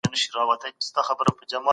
مجاهدین په میدان کي د زمري وار کوی.